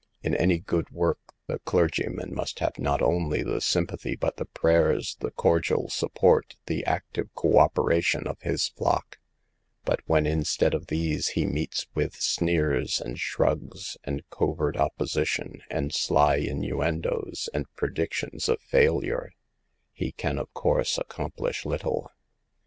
In any good work the clergyman must have not only the sympathy, but the prayers, the cordial support, the active co operation of his flock ; but when instead of these he meets with sneers, and shrugs, and covert opposition, and sly innuen does and predictions of failure, he can of course HOW TO SAVE OUR ERRING SISTERS. 243 accomplish little.